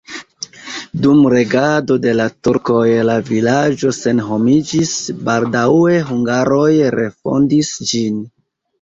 Dum regado de la turkoj la vilaĝo senhomiĝis, baldaŭe hungaroj refondis ĝin.